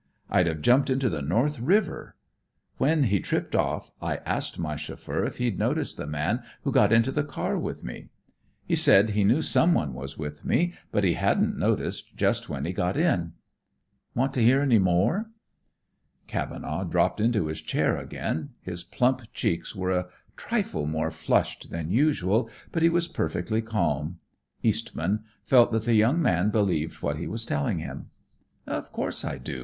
I'd have jumped into the North River. When he tripped off, I asked my chauffeur if he'd noticed the man who got into the car with me. He said he knew someone was with me, but he hadn't noticed just when he got in. Want to hear any more?" Cavenaugh dropped into his chair again. His plump cheeks were a trifle more flushed than usual, but he was perfectly calm. Eastman felt that the young man believed what he was telling him. "Of course I do.